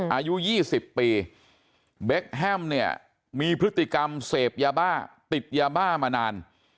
อายุ๒๐ปีเบคแฮมเนี่ยมีพฤติกรรมเสพยาบ้าติดยาบ้ามานาน